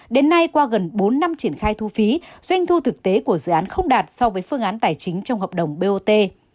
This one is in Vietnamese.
đến nay qua gần bốn năm triển khai thu phí doanh thu thực tế của dự án không đạt so với phương án tài chính trong hợp đồng bot